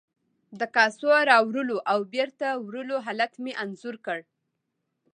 د کاسو راوړلو او بیرته وړلو حالت مې انځور کړ.